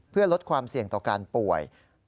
เพื่อลดความเสี่ยงต่อการป่วย